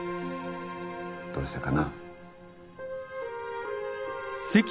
どうしてかな？